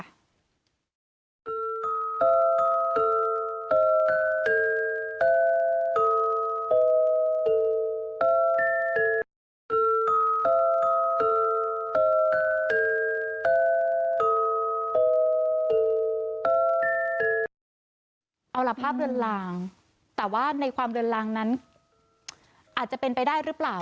เอาล่ะภาพเรือนลางแต่ว่าในความเรือนลางนั้นอาจจะเป็นไปได้หรือเปล่า